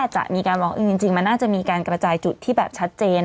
จริงมันน่าจะมีการกระจายจุดที่แบบชัดเจน